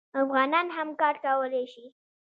افغانان هم کار کولی شي.